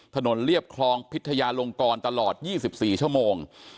เรียบคลองพิทยาลงกรตลอด๒๔ชั่วโมง